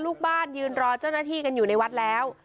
ลูกบ้านยืนรอเจ้าหน้าที่กันอยู่ในวัดแล้ว